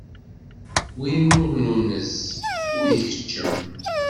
Win ur nunez, ur ikeččem.